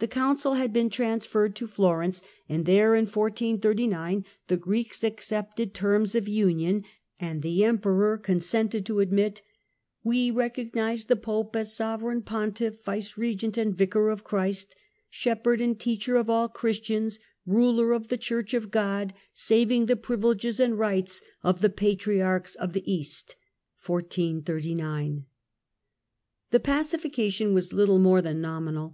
The Council had to^Fioren^ce been transferred to Florence and there in 1439 the Greeks accepted terms of union, and the Emperor consented to Union of admit: " AVe recognise the Pope as sovereign pontiff, Greek and y^cegerent and vicar of Christ, shepherd and teacher of Churches, Q,l\ Christians, ruler of the Church of God, saving the privileges and [rights of the Patriarchs of the East ". The pacification was little more than nominal.